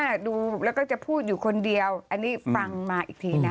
แกจะดูอย่างนี้และพูดอยู่คนเดียวอันนี้ฟังมาอีกที